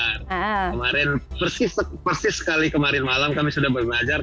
kemarin persis sekali kemarin malam kami sudah belajar